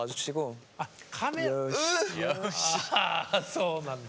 そうなんだ。